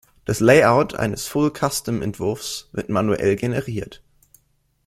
Das Layout eines Full-Custom-Entwurfs wird manuell generiert.